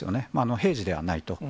平時ではないと。